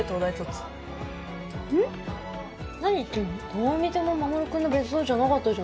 どう見ても守君の別荘じゃなかったじゃん。